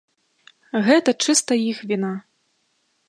Гэта чыста іх віна.